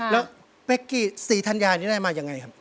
แล้วสีทันยานี้เอามายังไงครับ